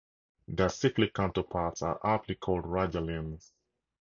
Their cyclic counterparts are aptly called radialenes.